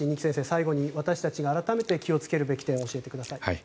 最後に私たちが改めて気をつけるべき点を教えてください。